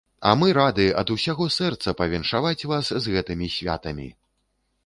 А мы рады ад усяго сэрца павіншаваць вас з гэтымі святамі!